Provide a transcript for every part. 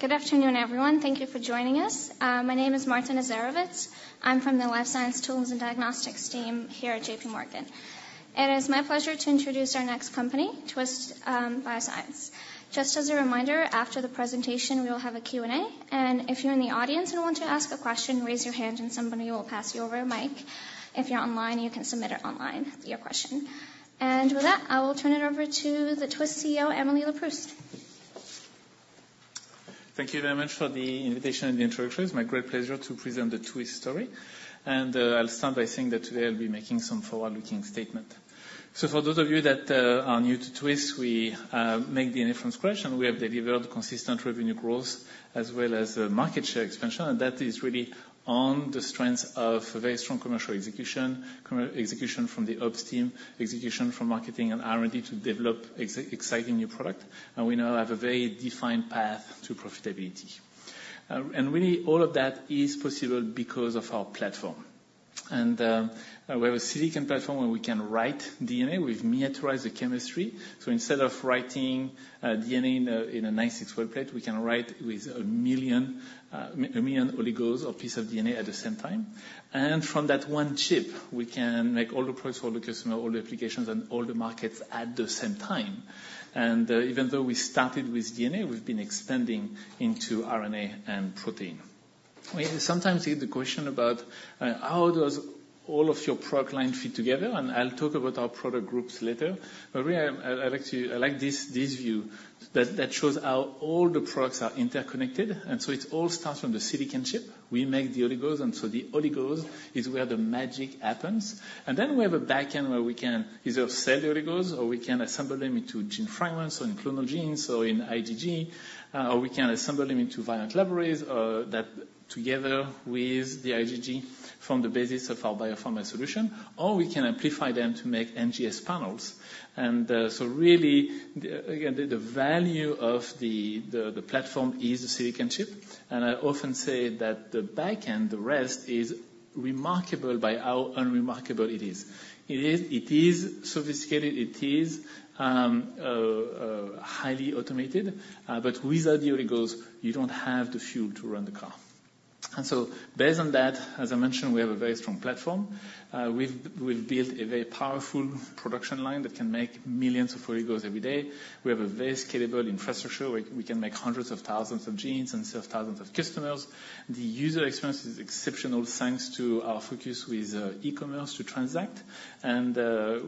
All right. Good afternoon, everyone. Thank you for joining us. My name is Marta Nazarovets. I'm from the Life Science Tools and Diagnostics team here at J.P. Morgan. It is my pleasure to introduce our next company, Twist Bioscience. Just as a reminder, after the presentation, we will have a Q&A, and if you're in the audience and want to ask a question, raise your hand and somebody will pass you over a mic. If you're online, you can submit it online, your question. With that, I will turn it over to the Twist CEO, Emily Leproust. Thank you very much for the invitation and the introduction. It's my great pleasure to present the Twist story. I'll start by saying that today I'll be making some forward-looking statement. For those of you that are new to Twist, we make DNA from scratch, and we have delivered consistent revenue growth as well as market share expansion. That is really on the strength of a very strong commercial execution, execution from the ops team, execution from marketing and R&D to develop exciting new product. We now have a very defined path to profitability. Really, all of that is possible because of our platform. We have a silicon platform where we can write DNA. We've miniaturized the chemistry, so instead of writing DNA in a 96-well plate, we can write 1 million oligos or piece of DNA at the same time. From that one chip, we can make all the products for all the customers, all the applications, and all the markets at the same time. Even though we started with DNA, we've been extending into RNA and protein. We sometimes get the question about, "How does all of your product line fit together?" I'll talk about our product groups later. But really, I like this view that shows how all the products are interconnected. So it all starts from the Silicon Chip. We make the oligos, and so the oligos is where the magic happens. And then we have a back end where we can either sell the oligos, or we can assemble them into gene fragments or in clonal genes or in IgG. Or we can assemble them into variant libraries, that together with the IgG, form the basis of our Biopharma Solutions, or we can amplify them to make NGS panels. And so really, again, the value of the platform is the silicon chip. And I often say that the back end, the rest, is remarkable by how unremarkable it is. It is sophisticated, it is highly automated, but without the oligos, you don't have the fuel to run the car. And so based on that, as I mentioned, we have a very strong platform. We've built a very powerful production line that can make millions of oligos every day. We have a very scalable infrastructure where we can make hundreds of thousands of genes and serve thousands of customers. The user experience is exceptional, thanks to our focus with e-commerce to transact. And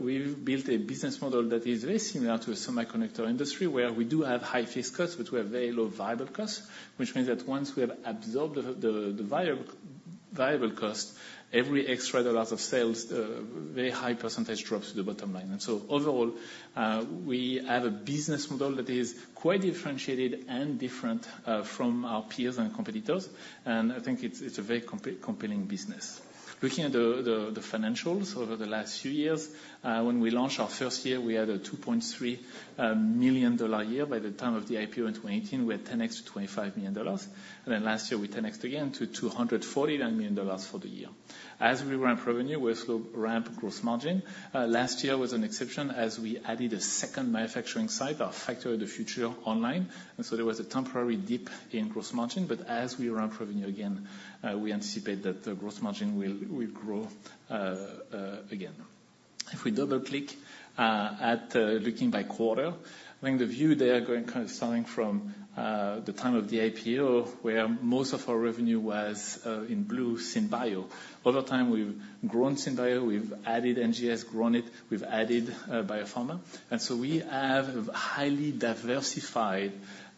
we've built a business model that is very similar to a semiconductor industry, where we do have high fixed costs, but we have very low variable costs. Which means that once we have absorbed the variable cost, every extra dollars of sales very high percentage drops to the bottom line. And so overall, we have a business model that is quite differentiated and different from our peers and competitors, and I think it's a very compelling business. Looking at the financials over the last few years, when we launched our first year, we had a $2.3 million year. By the time of the IPO in 2018, we had 10x to $25 million, and then last year we 10x again to $249 million for the year. As we ramp revenue, we also ramp gross margin. Last year was an exception as we added a second manufacturing site, our Factory of the Future, online. And so there was a temporary dip in gross margin, but as we ramp revenue again, we anticipate that the gross margin will grow again. If we double-click at looking by quarter, I think the view there, kind of starting from the time of the IPO, where most of our revenue was in blue, SynBio. Over time, we've grown SynBio, we've added NGS, grown it, we've added biopharma. And so we have a highly diversified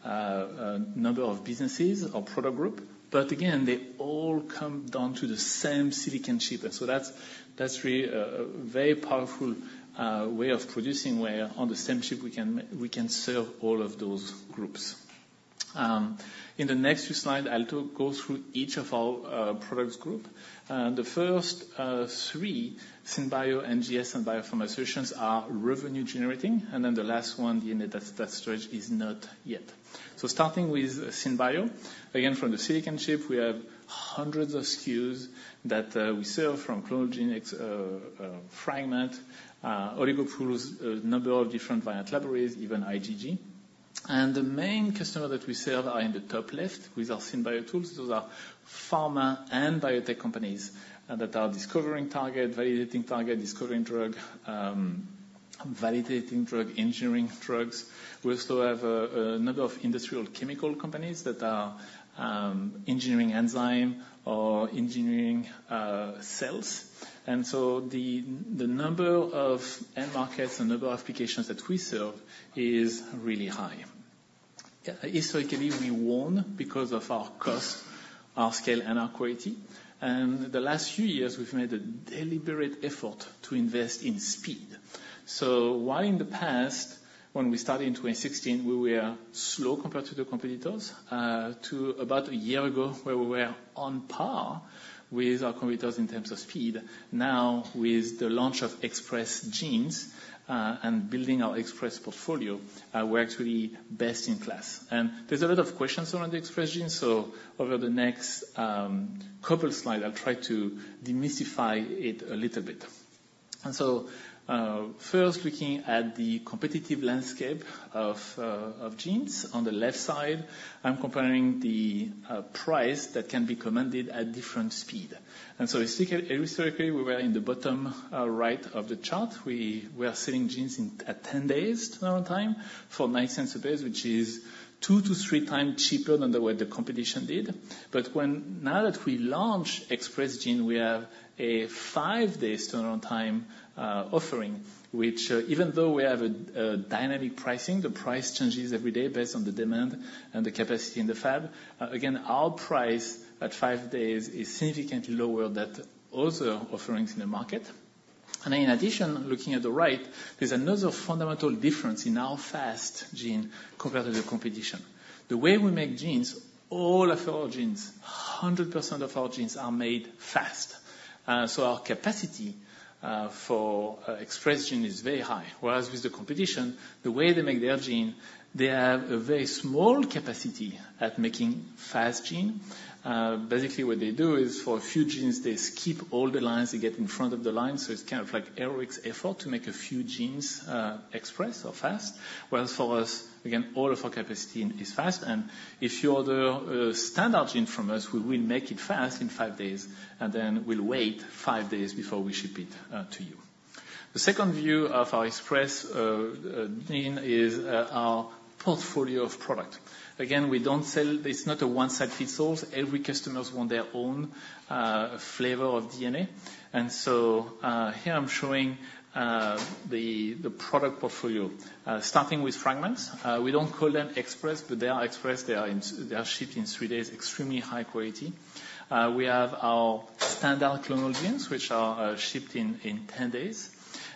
number of businesses or product group, but again, they all come down to the same silicon chip. And so that's really a very powerful way of producing, where on the same chip we can serve all of those groups. In the next few slide, I'll go through each of our products group. The first three, SynBio, NGS, and Biopharma Solutions, are revenue generating, and then the last one, the Data Storage, is not yet. So starting with SynBio, again, from the silicon chip, we have hundreds of SKUs that we sell from clonal genetics, fragment, oligopools, a number of different variant libraries, even IgG. The main customer that we serve are in the top left with our SynBio tools. Those are pharma and biotech companies that are discovering target, validating target, discovering drug, validating drug, engineering drugs. We also have a number of industrial chemical companies that are engineering enzyme or engineering cells. So the number of end markets and number of applications that we serve is really high. Historically, we won because of our cost, our scale, and our quality, and the last few years, we've made a deliberate effort to invest in speed. So while in the past, when we started in 2016, we were slow compared to the competitors to about a year ago, where we were on par with our competitors in terms of speed. Now, with the launch of Express Genes and building our Express portfolio, we're actually best in class. And there's a lot of questions around the Express Genes, so over the next couple slide, I'll try to demystify it a little bit. And so first looking at the competitive landscape of genes. On the left side, I'm comparing the price that can be commanded at different speed. And so historically, we were in the bottom right of the chart. We are selling genes at 10 days turnaround time for $0.09 a base, which is 2-3 times cheaper than the way the competition did. But now that we launch Express Genes, we have a 5-day turnaround time offering, which, even though we have a dynamic pricing, the price changes every day based on the demand and the capacity in the fab. Again, our price at 5 days is significantly lower than other offerings in the market. And in addition, looking at the right, there's another fundamental difference in our Express Genes compared to the competition. The way we make genes, all of our genes, 100% of our genes are made fast. So our capacity for Express Genes is very high, whereas with the competition, the way they make their gene, they have a very small capacity at making fast gene. Basically, what they do is, for a few genes, they skip all the lines, they get in front of the line, so it's kind of like heroic effort to make a few genes, express or fast. Whereas for us, again, all of our capacity is fast, and if you order a standard gene from us, we will make it fast in five days, and then we'll wait five days before we ship it to you. The second view of our Express Genes is our portfolio of product. Again, we don't sell... It's not a one-size-fits-all. Every customer wants their own flavor of DNA, and so here I'm showing the product portfolio. Starting with fragments. We don't call them express, but they are express. They are shipped in three days, extremely high quality. We have our standard clonal genes, which are shipped in ten days.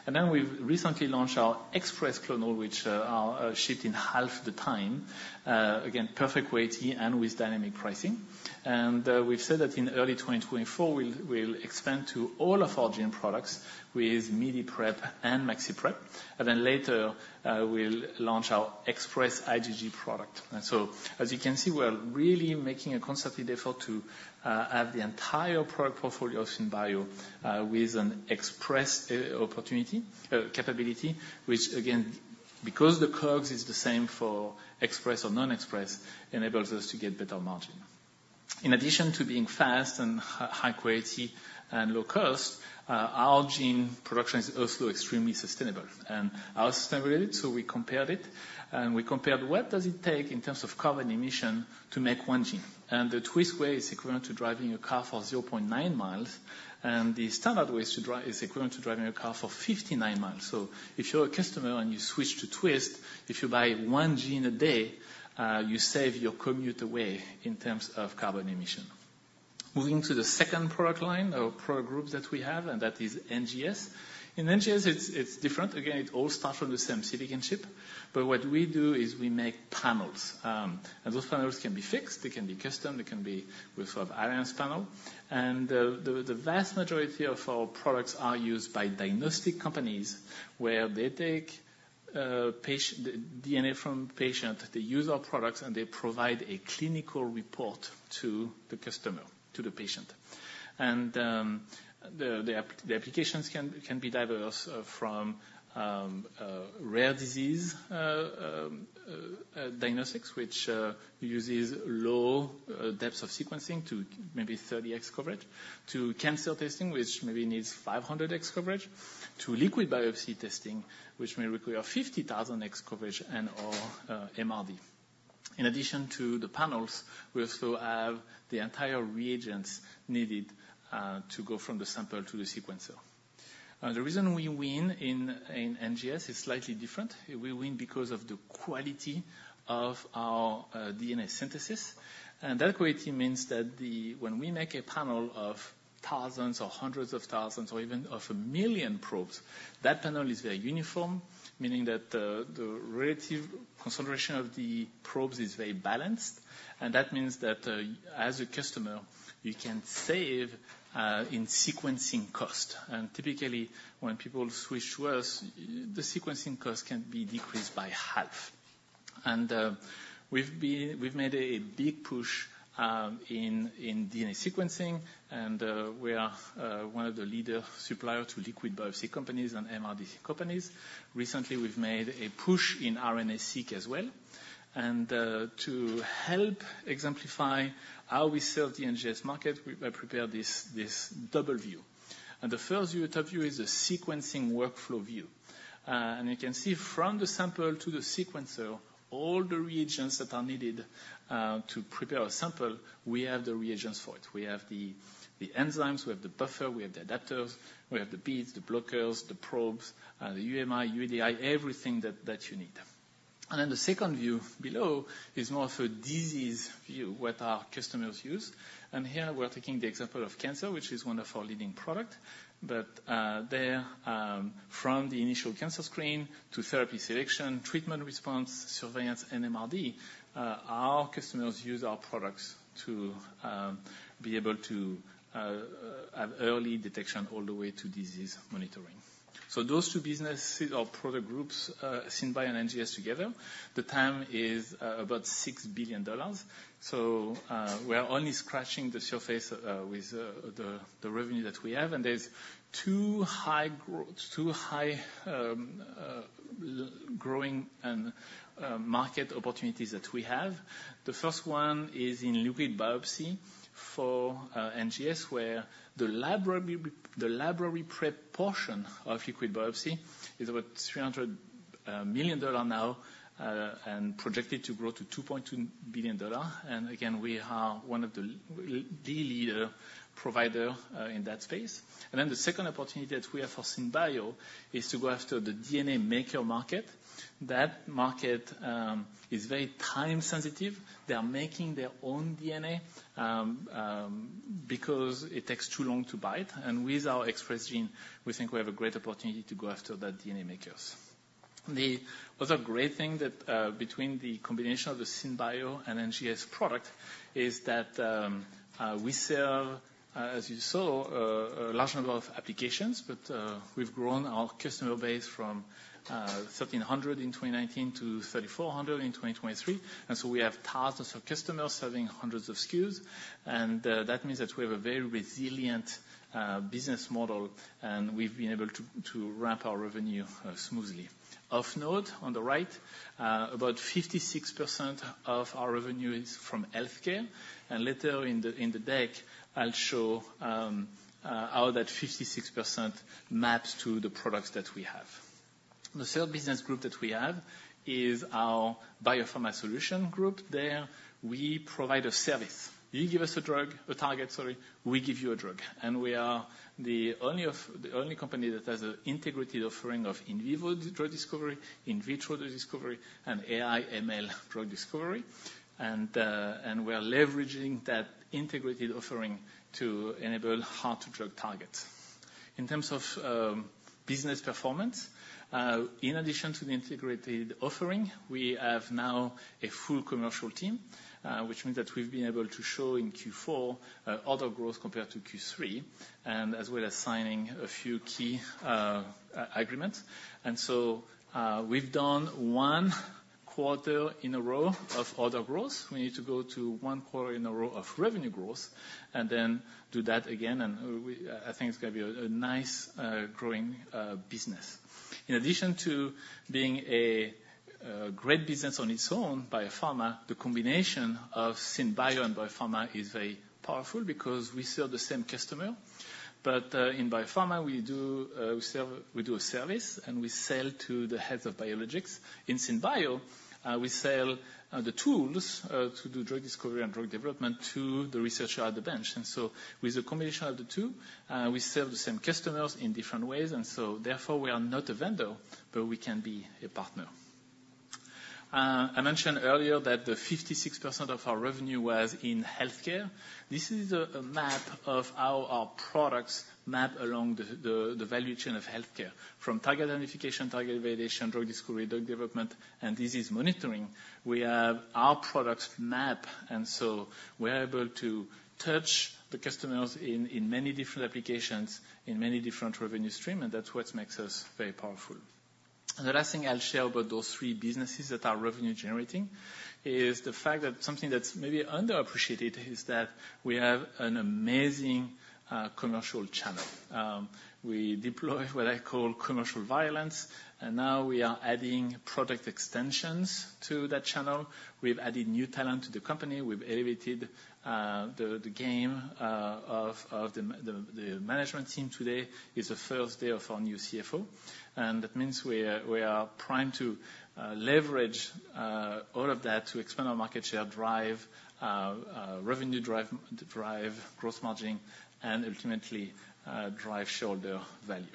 And then we've recently launched our Express Clonal, which are shipped in half the time. Again, perfect quality and with dynamic pricing. And we've said that in early 2024 we'll expand to all of our gene products with miniprep and maxiprep. And then later we'll launch our Express IgG product. And so, as you can see, we're really making a concerted effort to have the entire product portfolio SynBio with an express opportunity capability, which again, because the costs is the same for express or non-express, enables us to get better margin. In addition to being fast and high quality and low cost, our gene production is also extremely sustainable and how sustainable? So we compared it, and we compared what does it take in terms of carbon emission to make one gene? And the Twist way is equivalent to driving a car for 0.9 miles, and the standard way is equivalent to driving a car for 59 miles. So if you're a customer and you switch to Twist, if you buy one gene a day, you save your commute away in terms of carbon emission. Moving to the second product line or product groups that we have, and that is NGS. In NGS, it's different. Again, it all starts from the same silicon chip, but what we do is we make panels. And those panels can be fixed, they can be custom, they can be with Alliance Panel. And the vast majority of our products are used by diagnostic companies, where they take patient DNA from patient, they use our products, and they provide a clinical report to the customer, to the patient. The applications can be diverse from rare disease diagnostics, which uses low depths of sequencing to maybe 30x coverage, to cancer testing, which maybe needs 500x coverage, to liquid biopsy testing, which may require 50,000x coverage and/or MRD. In addition to the panels, we also have the entire reagents needed to go from the sample to the sequencer. The reason we win in NGS is slightly different. We win because of the quality of our DNA synthesis. And that quality means that when we make a panel of thousands or hundreds of thousands, or even of a million probes, that panel is very uniform, meaning that the relative concentration of the probes is very balanced, and that means that as a customer, you can save in sequencing cost. And we've made a big push in DNA sequencing, and we are one of the leading suppliers to liquid biopsy companies and MRD companies. Recently, we've made a push in RNA-Seq as well, and to help exemplify how we serve the NGS market, I prepared this double view. And the first view, top view, is a sequencing workflow view. And you can see from the sample to the sequencer, all the reagents that are needed to prepare a sample, we have the reagents for it. We have the enzymes, we have the buffer, we have the adapters, we have the beads, the blockers, the probes, the UMI, UDI, everything that you need. And then the second view below is more of a disease view, what our customers use. And here we're taking the example of cancer, which is one of our leading product, but from the initial cancer screen to therapy selection, treatment response, surveillance, and MRD, our customers use our products to be able to have early detection all the way to disease monitoring. So those two businesses or product groups, Synbio and NGS together, the TAM is about $6 billion. So, we are only scratching the surface with the revenue that we have, and there's two high growth—two high growing market opportunities that we have. The first one is in liquid biopsy for NGS, where the library prep portion of liquid biopsy is about $300 million now and projected to grow to $2.2 billion. And again, we are one of the leading providers in that space. And then the second opportunity that we have for SynBio is to go after the DNA maker market. That market is very time-sensitive. They are making their own DNA because it takes too long to buy it. And with our Express Genes, we think we have a great opportunity to go after the DNA makers. The other great thing that between the combination of the SynBio and NGS product is that we sell, as you saw, a large number of applications, but we've grown our customer base from 1,300 in 2019 to 3,400 in 2023. And so we have thousands of customers serving hundreds of SKUs, and that means that we have a very resilient business model, and we've been able to ramp our revenue smoothly. Of note, on the right, about 56% of our revenue is from healthcare, and later in the deck, I'll show how that 56% maps to the products that we have. The third business group that we have is our Biopharma Solutions group. There, we provide a service. You give us a drug, a target, sorry, we give you a drug. And we are the only company that has an integrated offering of in vivo drug discovery, in vitro drug discovery, and AI/ML drug discovery. And we are leveraging that integrated offering to enable hard drug targets. In terms of business performance, in addition to the integrated offering, we have now a full commercial team, which means that we've been able to show in Q4 order growth compared to Q3, and as we're signing a few key agreements. And so, we've done one quarter in a row of order growth. We need to go to one quarter in a row of revenue growth and then do that again, and I think it's going to be a nice growing business. In addition to being a great business on its own, Biopharma, the combination of SynBio and Biopharma is very powerful because we serve the same customer. But in Biopharma, we do a service, and we sell to the heads of biologics. In SynBio, we sell the tools to do drug discovery and drug development to the researcher at the bench. And so with a combination of the two, we serve the same customers in different ways, and so therefore, we are not a vendor, but we can be a partner. I mentioned earlier that the 56% of our revenue was in healthcare. This is a map of how our products map along the value chain of healthcare. From target identification, target validation, drug discovery, drug development, and disease monitoring, we have our products map, and so we're able to touch the customers in many different applications, in many different revenue stream, and that's what makes us very powerful. The last thing I'll share about those three businesses that are revenue generating is the fact that something that's maybe underappreciated is that we have an amazing commercial channel. We deploy what I call commercial violence, and now we are adding product extensions to that channel. We've added new talent to the company. We've elevated the game of the management team today. It's the first day of our new CFO, and that means we are primed to leverage all of that to expand our market share, drive revenue, drive gross margin, and ultimately drive shareholder value.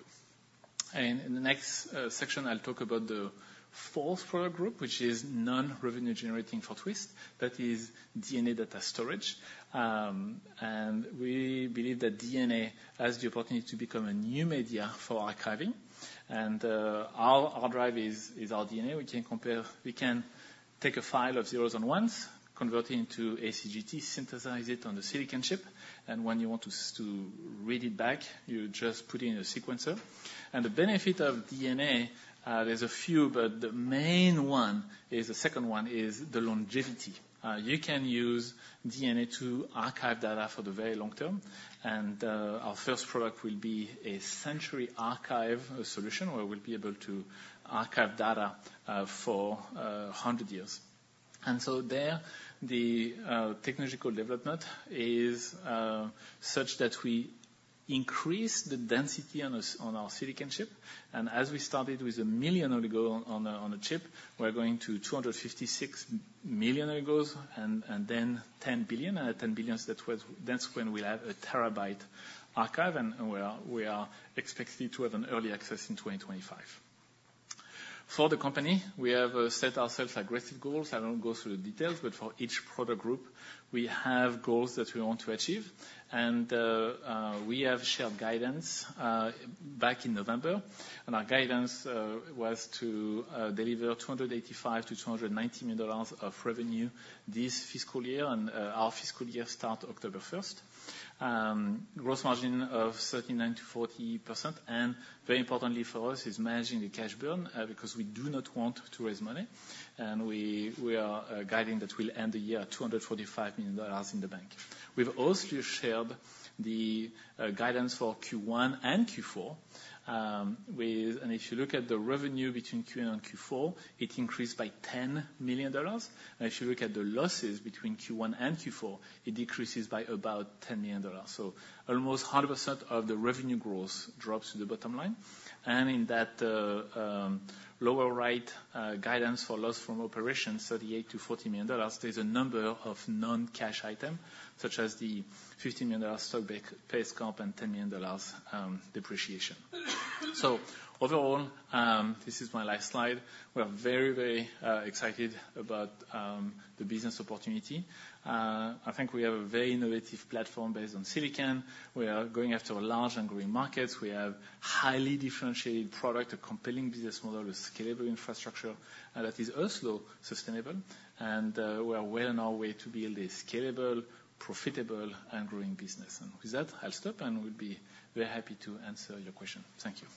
In the next section, I'll talk about the fourth product group, which is non-revenue generating for Twist. That is DNA Data Storage. We believe that DNA has the opportunity to become a new media for archiving. Our hard drive is our DNA. We can take a file of zeros and ones, convert it into ACGT, synthesize it on the silicon chip, and when you want to read it back, you just put in a sequencer. The benefit of DNA, there's a few, but the main one is, the second one, is the longevity. You can use DNA to archive data for the very long term, and our first product will be a Century Archive solution, where we'll be able to archive data for 100 years. And so there, the technological development is such that we increase the density on our silicon chip, and as we started with a million bases on a chip, we're going to 256 million bases, and then 10 billion. At 10 billion, that's when we'll have a terabyte archive, and we are expecting to have an early access in 2025. For the company, we have set ourselves aggressive goals. I won't go through the details, but for each product group, we have goals that we want to achieve. We have shared guidance back in November, and our guidance was to deliver $285-$290 million of revenue this fiscal year, and our fiscal year starts October 1. Gross margin of 39%-40%, and very importantly for us is managing the cash burn, because we do not want to raise money, and we are guiding that we'll end the year at $245 million in the bank. We've also shared the guidance for Q1 and Q4, with... And if you look at the revenue between Q1 and Q4, it increased by $10 million. And if you look at the losses between Q1 and Q4, it decreases by about $10 million. So almost 100% of the revenue growth drops to the bottom line. And in that, lower right, guidance for loss from operations, $38-$40 million, there's a number of non-cash item, such as the $15 million stock-based pay comp and $10 million, depreciation. So overall, this is my last slide. We are very, very excited about the business opportunity. I think we have a very innovative platform based on silicon. We are going after a large and growing markets. We have highly differentiated product, a compelling business model with scalable infrastructure, and that is also sustainable. And we are well on our way to build a scalable, profitable, and growing business. And with that, I'll stop, and we'll be very happy to answer your question. Thank you.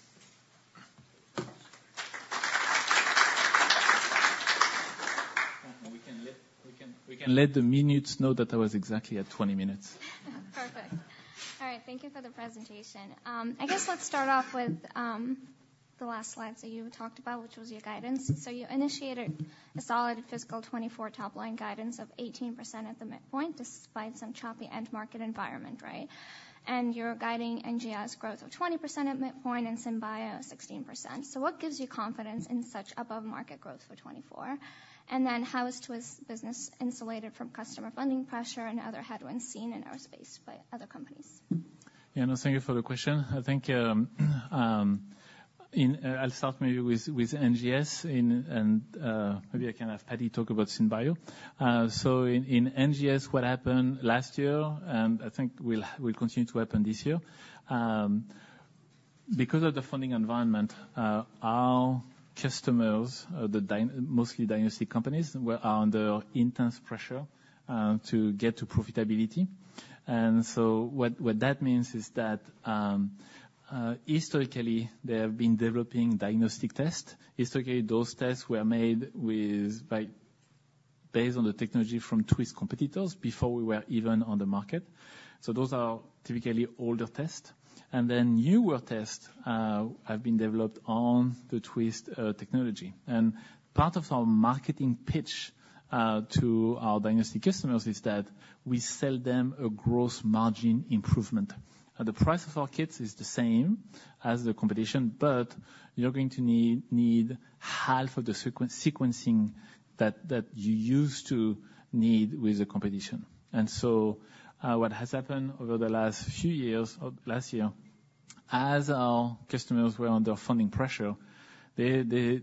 We can let the minutes know that I was exactly at 20 minutes. Perfect. All right, thank you for the presentation. I guess let's start off with the last slide that you talked about, which was your guidance. So you initiated a solid fiscal 2024 top line guidance of 18% at the midpoint, despite some choppy end market environment, right? And you're guiding NGS growth of 20% at midpoint and SynBio 16%. So what gives you confidence in such above-market growth for 2024? And then how is Twist's business insulated from customer funding pressure and other headwinds seen in our space by other companies? Yeah, no, thank you for the question. I think, I'll start maybe with NGS, and maybe I can have Paddy talk about SynBio. So in NGS, what happened last year, and I think will continue to happen this year, because of the funding environment, our customers, they mostly diagnostic companies, are under intense pressure to get to profitability. And so what that means is that, historically, they have been developing diagnostic tests. Historically, those tests were based on the technology from Twist's competitors before we were even on the market. So those are typically older tests. And then newer tests have been developed on the Twist technology. Part of our marketing pitch to our diagnostic customers is that we sell them a gross margin improvement. The price of our kits is the same as the competition, but you're going to need half of the sequencing that you used to need with the competition. So what has happened over the last few years, or last year, as our customers were under funding pressure, they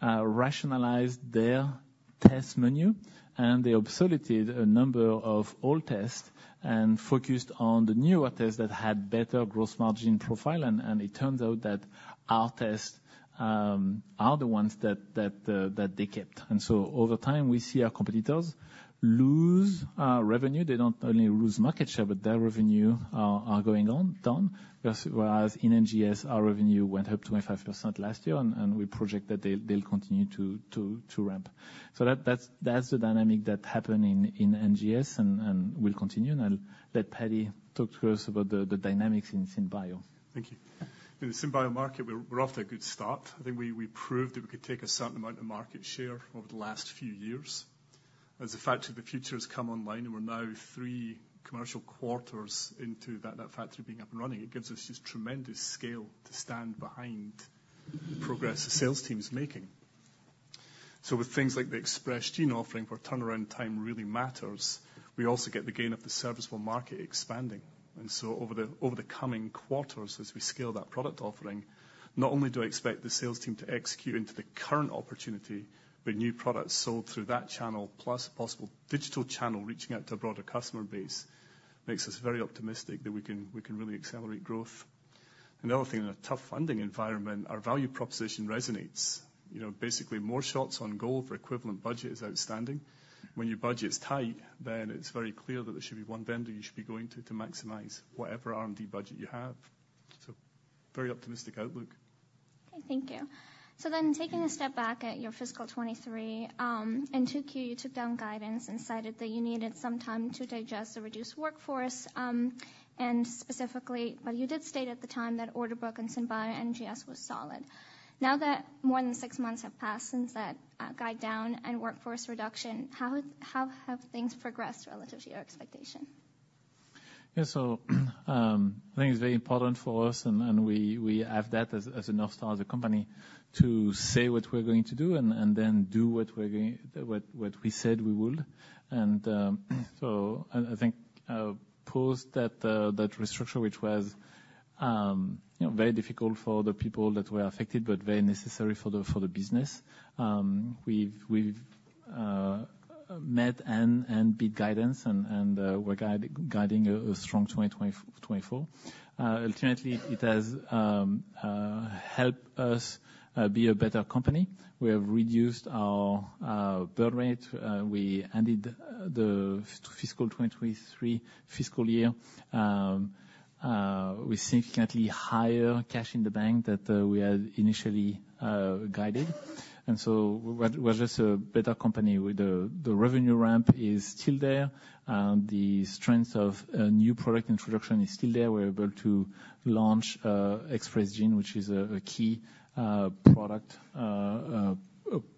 rationalized their test menu, and they obsoleted a number of old tests and focused on the newer tests that had better gross margin profile. It turns out that our tests are the ones that they kept. So over time, we see our competitors lose revenue. They don't only lose market share, but their revenue are going down. Whereas in NGS, our revenue went up 25% last year, and we project that they'll continue to ramp. So that's the dynamic that happened in NGS and will continue. And I'll let Paddy talk to us about the dynamics in SynBio. Thank you. In the SynBio market, we're off to a good start. I think we proved that we could take a certain amount of market share over the last few years. As the Factory of the Future has come online, and we're now three commercial quarters into that factory being up and running, it gives us just tremendous scale to stand behind the progress the sales team is making. So with things like the Express Genes offering, where turnaround time really matters, we also get the gain of the serviceable market expanding. And so over the coming quarters, as we scale that product offering, not only do I expect the sales team to execute into the current opportunity, but new products sold through that channel, plus possible digital channel reaching out to a broader customer base, makes us very optimistic that we can really accelerate growth. Another thing, in a tough funding environment, our value proposition resonates. You know, basically more shots on goal for equivalent budget is outstanding. When your budget is tight, then it's very clear that there should be one vendor you should be going to, to maximize whatever R&D budget you have. So very optimistic outlook. Okay, thank you. So then, taking a step back at your fiscal 2023, in 2Q, you took down guidance and cited that you needed some time to digest the reduced workforce, and specifically, but you did state at the time that order book in SynBio NGS was solid. Now that more than six months have passed since that, guide down and workforce reduction, how have things progressed relative to your expectation? Yeah, so I think it's very important for us, and we have that as a North Star as a company, to say what we're going to do and then do what we said we would. So I think post that restructure, which was, you know, very difficult for the people that were affected, but very necessary for the business, we've met and beat guidance, and we're guiding a strong 2024. Ultimately, it has helped us be a better company. We have reduced our burn rate. We ended the fiscal 2023 fiscal year with significantly higher cash in the bank than we had initially guided. And so we're just a better company. The revenue ramp is still there, and the strength of a new product introduction is still there. We're able to launch Express Genes, which is a key product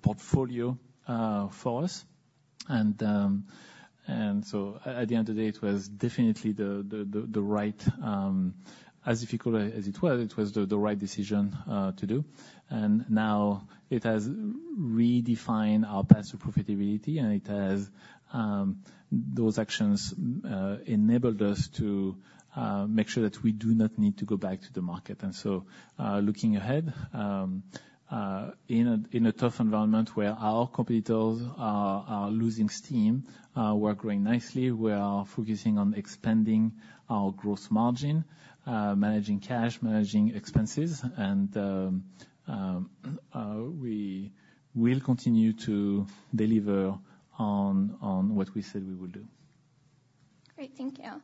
portfolio for us. And so at the end of the day, it was definitely the right. As difficult as it was, it was the right decision to do. And now it has redefined our path to profitability, and it has those actions enabled us to make sure that we do not need to go back to the market. And so looking ahead in a tough environment where our competitors are losing steam, we're growing nicely. We are focusing on expanding our gross margin, managing cash, managing expenses, and we will continue to deliver on what we said we would do.... Great. Thank you.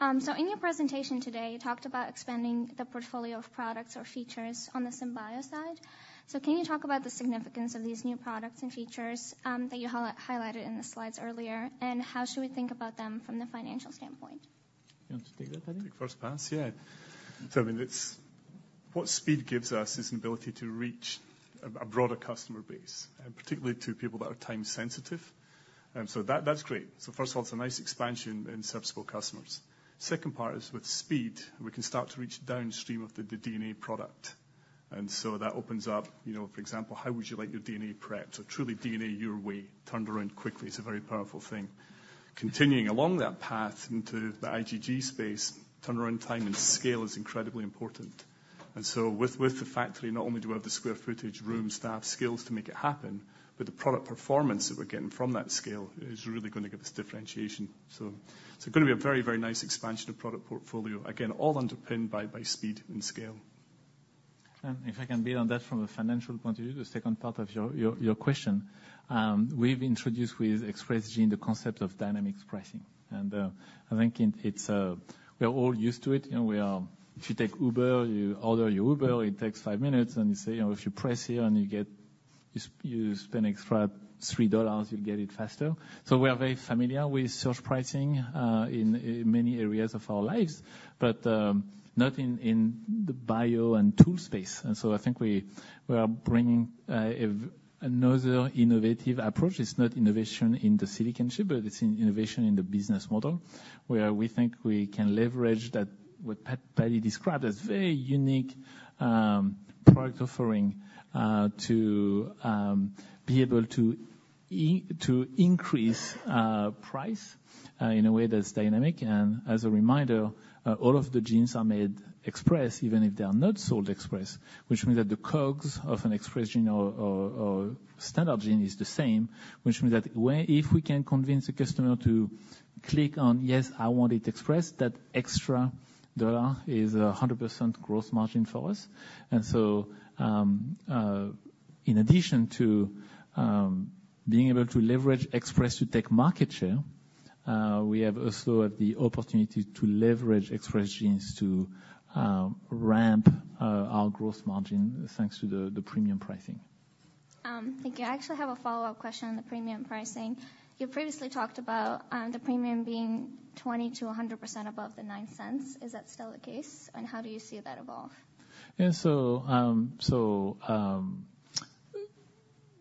So in your presentation today, you talked about expanding the portfolio of products or features on the SynBio side. So can you talk about the significance of these new products and features, that you highlighted in the slides earlier? And how should we think about them from the financial standpoint? You want to take that, Paddy? Take first pass, yeah. So I mean, it's what speed gives us is an ability to reach a broader customer base, and particularly to people that are time-sensitive. That's great. So first of all, it's a nice expansion in subsequent customers. Second part is with speed, we can start to reach downstream of the DNA product. And so that opens up, you know, for example, how would you like your DNA prepped? So truly DNA your way, turned around quickly. It's a very powerful thing. Continuing along that path into the IgG space, turnaround time and scale is incredibly important. And so with the factory, not only do we have the square footage, room, staff, skills to make it happen, but the product performance that we're getting from that scale is really going to give us differentiation. It's going to be a very, very nice expansion of product portfolio. Again, all underpinned by speed and scale. And if I can build on that from a financial point of view, the second part of your question. We've introduced with Express Genes the concept of dynamic pricing. And I think we are all used to it. You know, if you take Uber, you order your Uber, it takes five minutes, and you say, you know, if you press here and you get... You spend extra $3, you'll get it faster. So we are very familiar with surge pricing in many areas of our lives, but not in the bio and tool space. And so I think we are bringing another innovative approach. It's not innovation in the silicon chip, but it's in innovation in the business model, where we think we can leverage that, what Paddy described as very unique product offering, to be able to increase price in a way that's dynamic. As a reminder, all of the genes are made Express, even if they are not sold Express, which means that the COGS of an Express Gene or standard gene is the same, which means that way, if we can convince a customer to click on, "Yes, I want it Express," that extra dollar is 100% gross margin for us. So, in addition to being able to leverage Express to take market share, we also have the opportunity to leverage Express Genes to ramp our gross margin, thanks to the premium pricing. Thank you. I actually have a follow-up question on the premium pricing. You previously talked about the premium being 20%-100% above the $0.09. Is that still the case? How do you see that evolve? Yeah. So,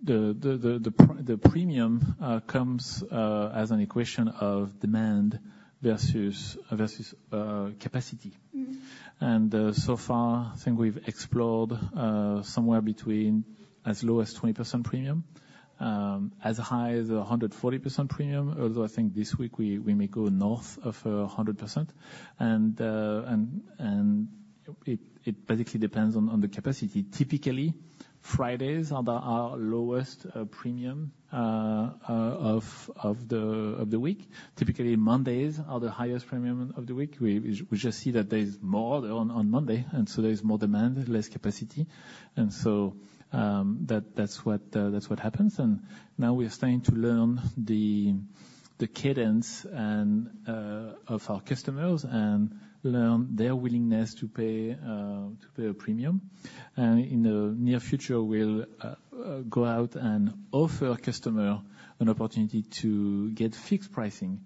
the premium comes as an equation of demand versus capacity. Mm-hmm. And, so far, I think we've explored somewhere between as low as 20% premium, as high as 140% premium, although I think this week we may go north of 100%. And it basically depends on the capacity. Typically, Fridays are our lowest premium of the week. Typically, Mondays are the highest premium of the week. We just see that there's more on Monday, and so there's more demand, less capacity. And so, that's what happens. And now we're starting to learn the cadence of our customers and learn their willingness to pay a premium. In the near future, we'll go out and offer customer an opportunity to get fixed pricing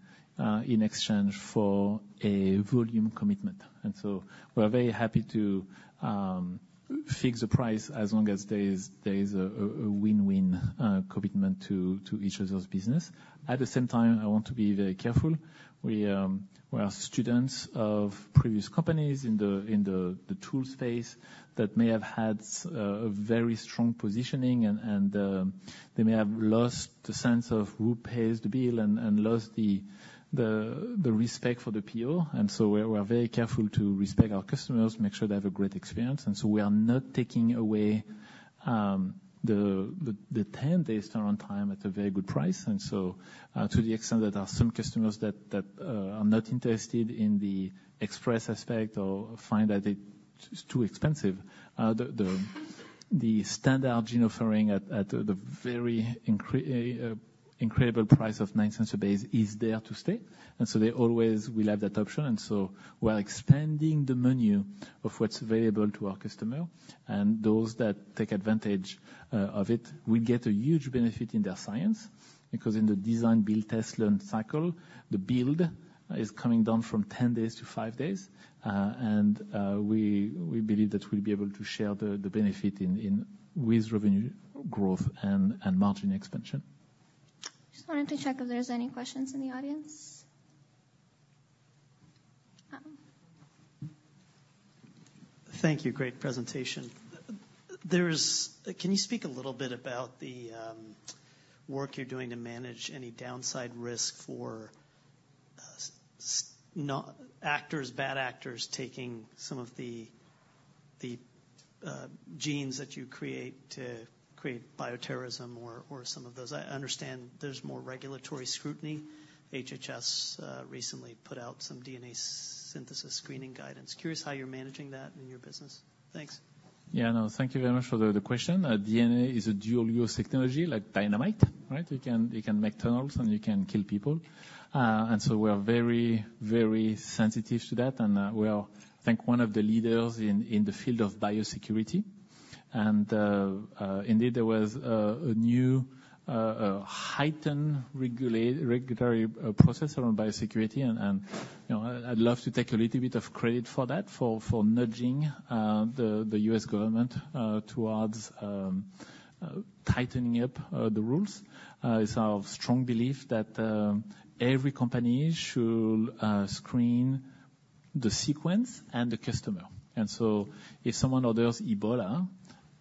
in exchange for a volume commitment. And so we're very happy to fix the price as long as there is a win-win commitment to each other's business. At the same time, I want to be very careful. We are students of previous companies in the tool space that may have had a very strong positioning and they may have lost the sense of who pays the bill and lost the respect for the PO. And so we're very careful to respect our customers, make sure they have a great experience. And so we are not taking away the ten-day turnaround time at a very good price. And so, to the extent that there are some customers that are not interested in the express aspect or find that it is too expensive, the standard gene offering at the very incredible price of $0.09 a base is there to stay. And so they always will have that option. And so we're expanding the menu of what's available to our customer, and those that take advantage of it will get a huge benefit in their science, because in the design, build, test, learn cycle, the build is coming down from 10 days to five days. And we believe that we'll be able to share the benefit with revenue growth and margin expansion. Just wanted to check if there's any questions in the audience? Thank you. Great presentation. Can you speak a little bit about the work you're doing to manage any downside risk for bad actors taking some of the genes that you create to create bioterrorism or some of those? I understand there's more regulatory scrutiny. HHS recently put out some DNA synthesis screening guidance. Curious how you're managing that in your business. Thanks. Yeah, no, thank you very much for the question. DNA is a dual-use technology, like dynamite, right? You can make tunnels, and you can kill people. And so we are very, very sensitive to that, and we are, I think, one of the leaders in the field of biosecurity. And indeed, there was a new heightened regulatory process around biosecurity, and you know, I'd love to take a little bit of credit for that, for nudging the U.S. government towards tightening up the rules. It's our strong belief that every company should screen the sequence and the customer. And so if someone orders Ebola,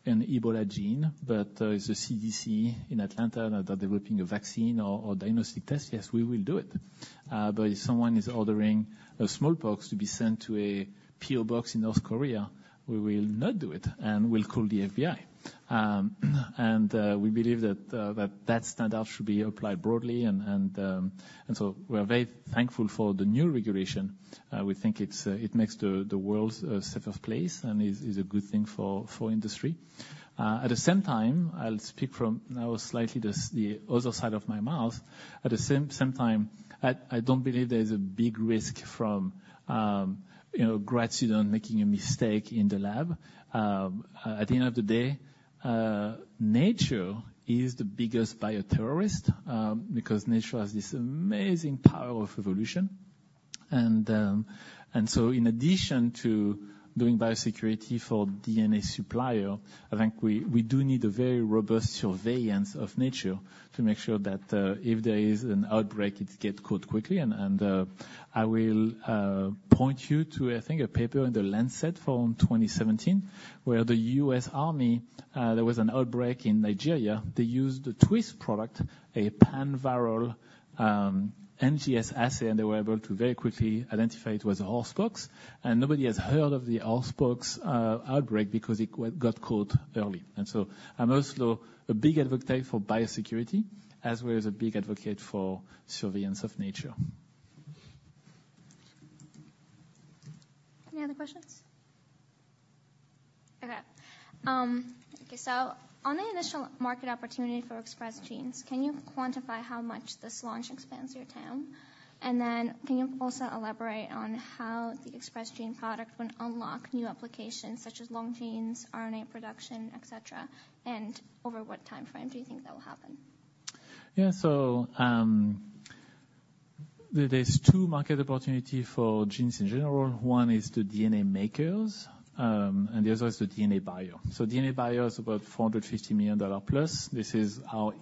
an Ebola gene, but it's the CDC in Atlanta, and they're developing a vaccine or diagnostic test, yes, we will do it. But if someone is ordering a smallpox to be sent to a PO box in North Korea, we will not do it, and we'll call the FBI. And we believe that that standard should be applied broadly, and so we're very thankful for the new regulation. We think it's it makes the world a safer place and is a good thing for industry. At the same time, I'll speak from now slightly the other side of my mouth. At the same time, I don't believe there's a big risk from, you know, grad student making a mistake in the lab. At the end of the day, nature is the biggest bioterrorist, because nature has this amazing power of evolution. And so in addition to doing biosecurity for DNA supplier, I think we do need a very robust surveillance of nature to make sure that if there is an outbreak, it gets caught quickly. And I will point you to, I think, a paper in The Lancet from 2017, where the U.S. Army, there was an outbreak in Nigeria. They used a Twist product, a panviral NGS assay, and they were able to very quickly identify it was a horsepox, and nobody has heard of the horsepox outbreak because it got caught early. And so I'm also a big advocate for biosecurity, as well as a big advocate for surveillance of nature. Any other questions? Okay. Okay, so on the initial market opportunity for Express Genes, can you quantify how much this launch expands your TAM? And then can you also elaborate on how the Express Gene product would unlock new applications such as long genes, RNA production, et cetera, and over what timeframe do you think that will happen? Yeah. There's two market opportunity for genes in general. One is the DNA makers, and the other is the DNA buyer. DNA buyer is about $450 million plus. This is our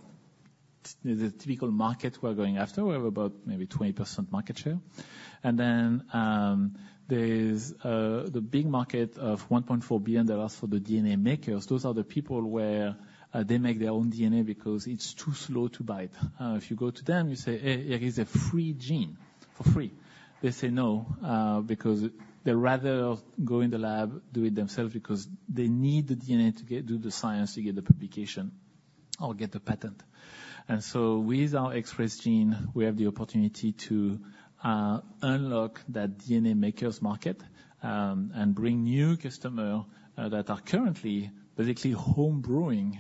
typical market we're going after, we have about maybe 20% market share. And then, there's the big market of $1.4 billion for the DNA makers. Those are the people who make their own DNA because it's too slow to buy it. If you go to them, you say, "Hey, here is a free gene for free." They say, "No," because they rather go in the lab, do it themselves, because they need the DNA to do the science, to get the publication or get the patent. So with our Express Genes, we have the opportunity to unlock that DNA makers market and bring new customer that are currently basically home brewing,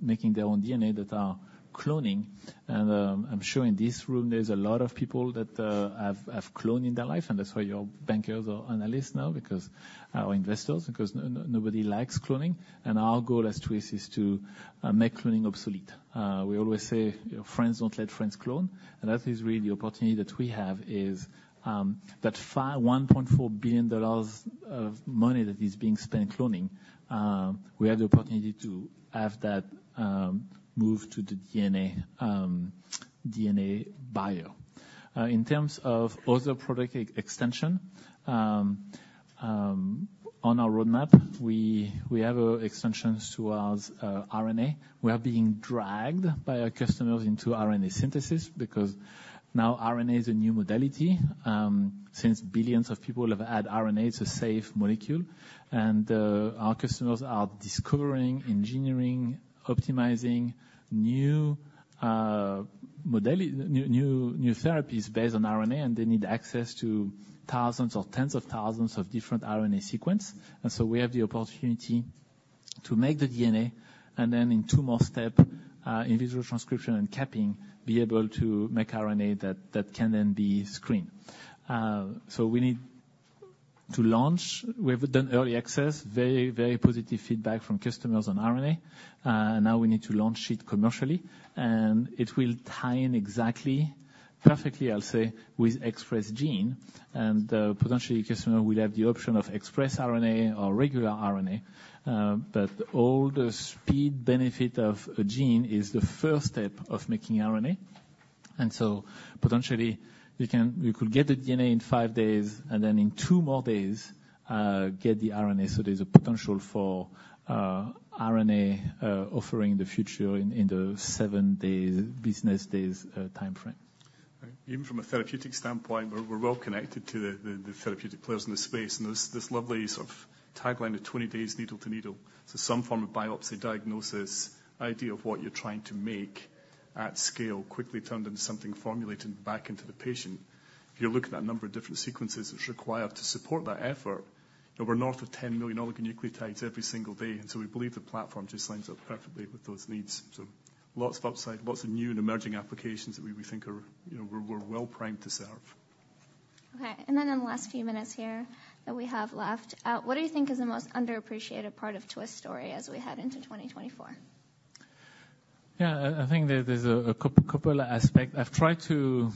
making their own DNA that are cloning. I'm sure in this room there's a lot of people that have cloned in their life, and that's why you're bankers or analysts now because nobody likes cloning, and our goal as Twist is to make cloning obsolete. We always say, "Friends don't let friends clone," and that is really the opportunity that we have, is that $1.4 billion of money that is being spent cloning. We have the opportunity to have that move to the DNA buyer. In terms of other product extension on our roadmap, we have extensions towards RNA. We are being dragged by our customers into RNA synthesis because now RNA is a new modality since billions of people have had RNA; it's a safe molecule. Our customers are discovering, engineering, optimizing new modalities, new therapies based on RNA, and they need access to thousands or tens of thousands of different RNA sequences. So we have the opportunity to make the DNA, and then in two more steps, in vitro transcription and capping, be able to make RNA that can then be screened. So we need to launch. We've done early access, very, very positive feedback from customers on RNA. Now we need to launch it commercially, and it will tie in exactly, perfectly, I'll say, with Express Gene. And potentially, customer will have the option of Express RNA or regular RNA, but all the speed benefit of a gene is the first step of making RNA. And so potentially, you could get the DNA in five days and then in two more days, get the RNA. So there's a potential for RNA offering the future in the seven days, business days, time frame. Even from a therapeutic standpoint, we're well connected to the therapeutic players in this space, and there's this lovely sort of tagline of 20 days, needle to needle. So some form of biopsy, diagnosis, idea of what you're trying to make at scale, quickly turned into something formulated back into the patient. If you look at that number of different sequences that's required to support that effort, we're north of 10 million oligonucleotides every single day, and so we believe the platform just lines up perfectly with those needs. So lots of upside, lots of new and emerging applications that we think are, you know, we're well primed to serve. Okay, and then in the last few minutes here that we have left, what do you think is the most underappreciated part of Twist's story as we head into 2024? Yeah, I think there's a couple aspects. I've tried to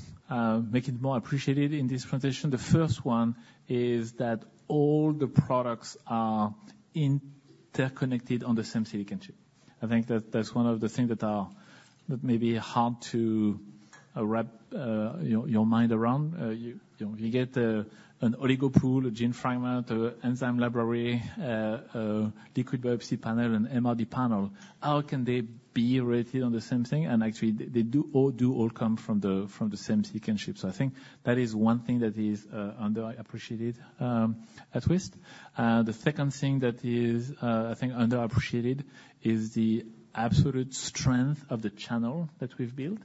make it more appreciated in this transition. The first one is that all the products are interconnected on the same silicon chip. I think that's one of the things that may be hard to wrap your mind around. You know, you get an oligo pool, a gene fragment, an enzyme library, a liquid biopsy panel, and MRD panel. How can they be rated on the same thing? And actually, they do all come from the same silicon chip. So I think that is one thing that is underappreciated at Twist. The second thing that is, I think underappreciated is the absolute strength of the channel that we've built.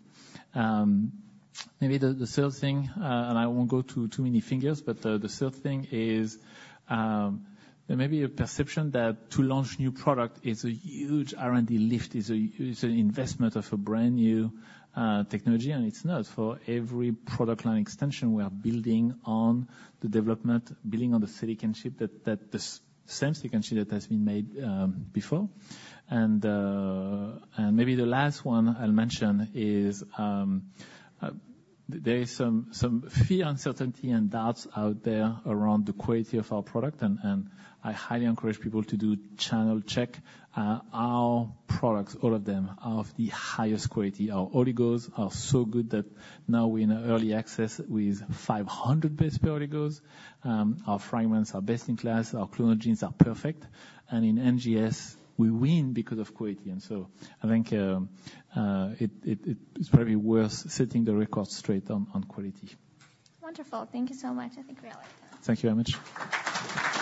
Maybe the third thing, and I won't go to too many fingers, but the third thing is, there may be a perception that to launch new product is a huge R&D lift, an investment of a brand new technology, and it's not. For every product line extension, we are building on the development, building on the silicon chip, the same silicon chip that has been made before. And maybe the last one I'll mention is, there is some fear, uncertainty, and doubts out there around the quality of our product, and I highly encourage people to do channel check. Our products, all of them, are of the highest quality. Our oligos are so good that now we're in early access with 500 base pair oligos. Our fragments are best-in-class, our clonal genes are perfect, and in NGS, we win because of quality. And so I think, it's probably worth setting the record straight on quality. Wonderful. Thank you so much. I think we all like that. Thank you very much.